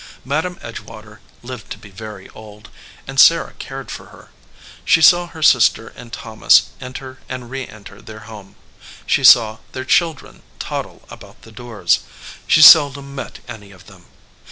Madam Edge\vater lived to be very old, and Sarah cared for her. She saw her sister and Thomas enter and re enter their home. She saw their children toddle about the doors. She seldom met any of them.